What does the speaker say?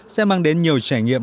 sẽ mang đến nhiều trải nghiệm